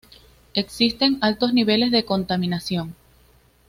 Existen altos niveles de contaminación.